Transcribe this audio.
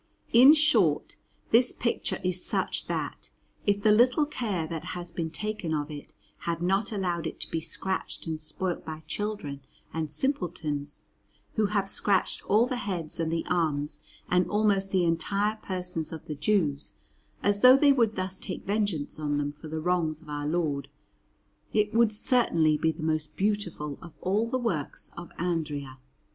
In short, this picture is such that, if the little care that has been taken of it had not allowed it to be scratched and spoilt by children and simpletons, who have scratched all the heads and the arms and almost the entire persons of the Jews, as though they would thus take vengeance on them for the wrongs of Our Lord, it would certainly be the most beautiful of all the works of Andrea.